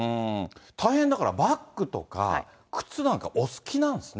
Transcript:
大変だからバッグとか、靴なんかお好きなんですね。